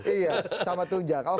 iya sama tunjang